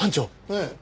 ええ。